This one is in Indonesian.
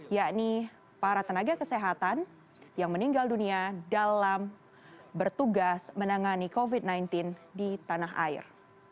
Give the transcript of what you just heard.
yakni para tenaga kesehatan yang meninggal dunia dalam bertugas menangani covid sembilan belas di tanah air